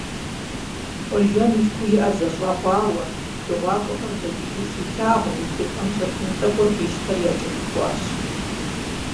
Хъуэжэ мылъкуу иӀэр зэщӀакъуауэ, дыгъуакӀуэхэр дэкӀыжу щилъагъум, и тепӀэнщӀэлъын тӀэкӀур къищтэри якӀэлъыкӀуащ.